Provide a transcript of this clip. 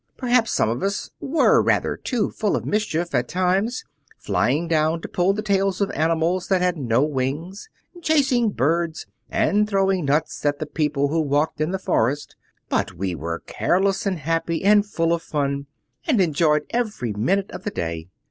Perhaps some of us were rather too full of mischief at times, flying down to pull the tails of the animals that had no wings, chasing birds, and throwing nuts at the people who walked in the forest. But we were careless and happy and full of fun, and enjoyed every minute of the day.